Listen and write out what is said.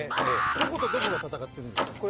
どことどこが戦ってるんですか？